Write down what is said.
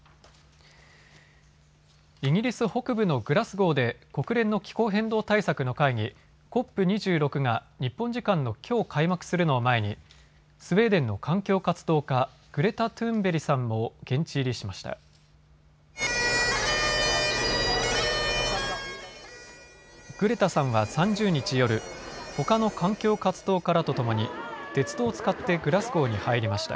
イギリス北部のグラスゴーで国連の気候変動対策の会議、ＣＯＰ２６が日本時間のきょう開幕するのを前にスウェーデンの環境活動家、グレタ・トゥーンベリさんも現地入りしました。